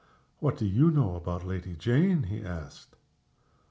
"What do you know about Lady Jane?" he asked.